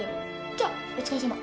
じゃあお疲れさま。